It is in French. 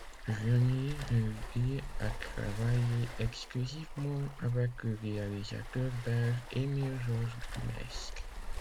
René Herdé a travaillé exclusivement avec le réalisateur belge Émile-Georges De Meyst.